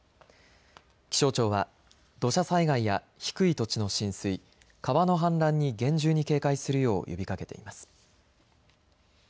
気象庁は土砂災害や低い土地の浸水、川の氾濫に厳重に警戒するよう呼びかけています。